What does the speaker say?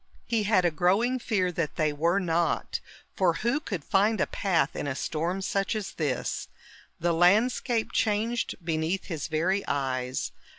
He had a growing fear that they were not, for who could find a path in a storm such as this? The landscape changed beneath his very eyes.